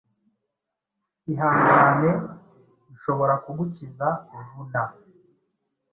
Ihangane nshobora kugukiza vuna